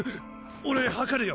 俺測るよ。